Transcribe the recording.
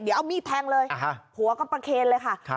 เดี๋ยวเอามีดแทงเลยอ่าฮะผัวก็ประเคนเลยค่ะครับ